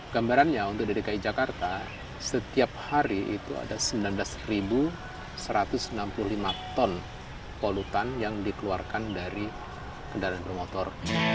gambarannya untuk di dki jakarta setiap hari itu ada sembilan belas satu ratus enam puluh lima ton polutan yang dikeluarkan dari kendaraan bermotor